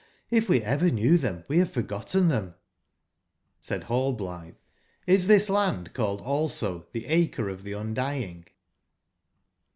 If we ever knew tbem we bave forgotten tbem"j!^Said Hallblitbe, "Is tbis land called also tbeHcre of tbe Qndying?"